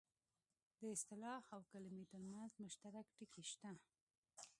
د اصطلاح او کلمې ترمنځ مشترک ټکي شته